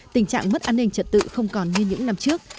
tình trạng mất an ninh trật tự không còn như những năm trước